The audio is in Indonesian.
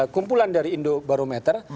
kumpulan dari indobarometer